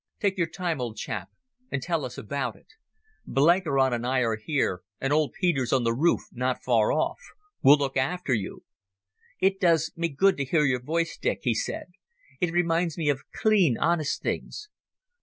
"Take your time, old chap, and tell us about it. Blenkiron and I are here, and old Peter's on the roof not far off. We'll look after you." "It does me good to hear your voice, Dick," he said. "It reminds me of clean, honest things."